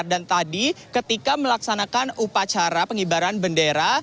dan tadi ketika melaksanakan upacara pengibaran bendera